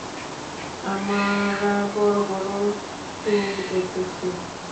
আমরা বড় বড় শুঁড় দেখেছি!